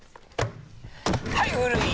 はい古い！